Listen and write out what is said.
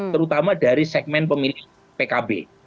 terutama dari segmen pemilih pkb